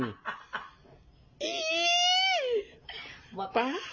มึงอยากมาหาพี่แม่มึงปิ่น